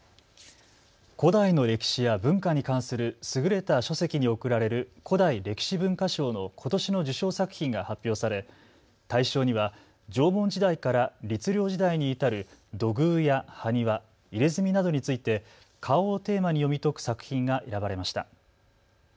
古代の歴史や文化に関する優れた書籍に贈られる古代歴史文化賞のことしの受賞作品が発表され大賞には縄文時代から律令時代に至る土偶や埴輪、入れ墨などについて顔をテーマに読み解く作品が選ばれました。